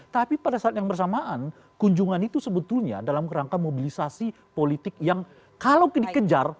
tapi pada saat yang bersamaan kunjungan itu sebetulnya dalam kerangka mobilisasi politik yang kalau dikejar